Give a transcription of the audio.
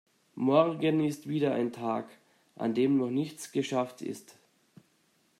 Morgen ist wieder ein Tag, an dem noch nichts geschafft ist.